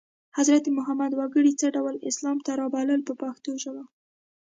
حضرت محمد وګړي څه ډول اسلام ته رابلل په پښتو ژبه.